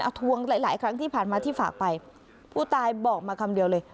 เอาทวงหลายหลายครั้งที่ผ่านมาที่ฝากไปผู้ตายบอกมาคำเดียวเลย